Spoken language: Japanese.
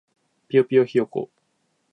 ぴよぴよひよこ